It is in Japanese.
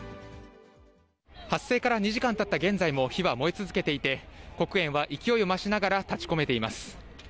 発生から２時間たった現在も火は燃え続けていて、黒煙は勢いを増しながら立ちこめています。